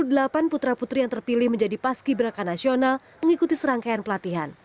dan enam puluh delapan putra putri yang terpilih menjadi paski beraka nasional mengikuti serangkaian pelatihan